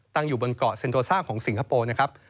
ตั้งอยู่บนเกาะเซ็นโตซ่าของสิงคโปร์นะครับ